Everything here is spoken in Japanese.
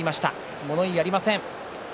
物言いはありません。